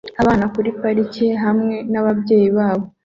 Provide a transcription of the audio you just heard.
Abana kuri parike hamwe nababyeyi babo